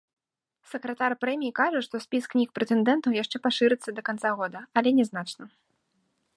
Сакратар прэміі кажа, што спіс кніг-прэтэндэнтаў яшчэ пашырыцца да канца года, але нязначна.